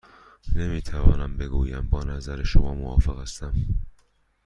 نمی توانم بگویم با نظر شما موافق هستم.